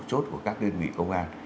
tốt của các đơn vị công an